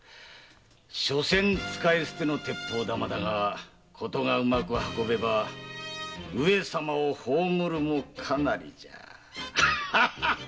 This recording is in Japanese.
しょせん使い捨ての鉄砲玉だが事がウマク運べば上様を葬るも可なりじゃ。